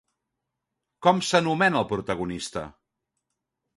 Com s'anomena el protagonista?